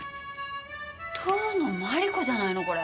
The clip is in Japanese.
遠野麻理子じゃないのこれ。